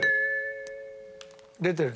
出てる。